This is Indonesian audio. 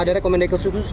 ada rekomendasi ke suryanto